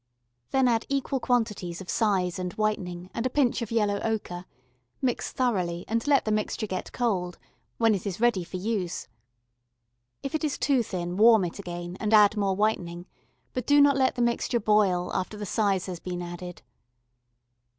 Then add equal quantities of size and whitening and a pinch of yellow ochre, mix thoroughly and let the mixture get cold, when it is ready for use. If it is too thin warm it again, and add more whitening, but do not let the mixture boil after the size has been added.